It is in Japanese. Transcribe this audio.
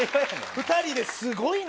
２人ですごいな。